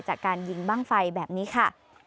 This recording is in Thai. จากการยิงบ้างไฟแบบนี้ค่ะ